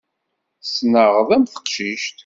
Tettnaɣeḍ am teqcict.